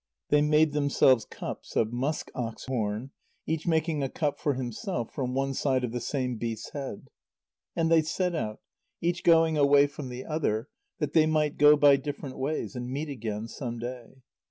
They made themselves cups of musk ox horn, each making a cup for himself from one side of the same beast's head. And they set out, each going away from the other, that they might go by different ways and meet again some day.